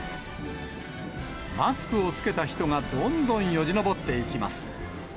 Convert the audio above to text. マスクを着けた人がどんどんよじ登っていきます。